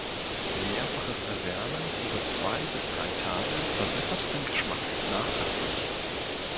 Mehrfaches Erwärmen über zwei bis drei Tage verbessert den Geschmack nachhaltig.